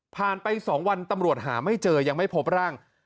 ไป๒วันตำรวจหาไม่เจอยังไม่พบร่าง